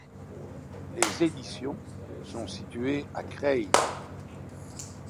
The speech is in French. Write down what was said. Les éditions sont situées à Creil.